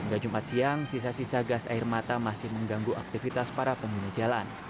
hingga jumat siang sisa sisa gas air mata masih mengganggu aktivitas para pengguna jalan